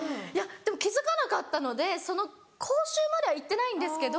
でも気付かなかったので口臭までは行ってないんですけど。